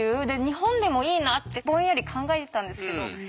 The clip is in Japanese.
日本でもいいなってぼんやり考えてたんですけど。